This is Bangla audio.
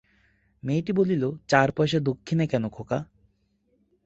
মেয়েটি বলিল, চার পয়সা দক্ষিণে কেন খোকা?